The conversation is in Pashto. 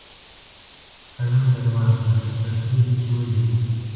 قلم درواخله ، دا څو لیکي ولیکه!